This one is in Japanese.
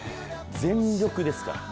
全力ですから。